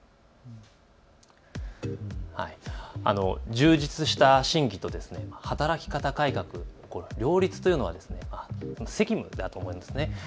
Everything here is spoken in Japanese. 充実した審議と働き方改革、この両立というのは責務だと思います。